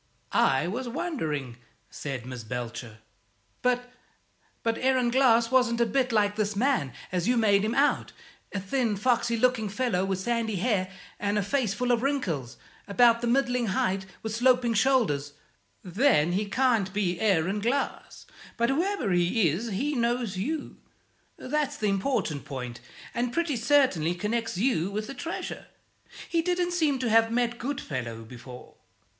"I was wondering," said Miss Belcher. "But but Aaron Glass wasn't a bit like this man, as you make him out; a thin, foxy looking fellow, with sandy hair and a face full of wrinkles, about the middling height, with sloping shoulders " "Then he can't be Aaron Glass. But whoever he is, he knows you that's the important point and pretty certainly connects you with the treasure. He didn't seem to have met Goodfellow before.